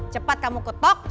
cepat kamu ketok